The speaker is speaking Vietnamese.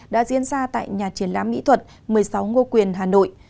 đã diễn ra tại nhà triển lãm mỹ thuật một mươi sáu ngô quyền hà nội